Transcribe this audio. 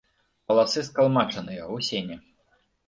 Валасы скалмачаныя, у сене.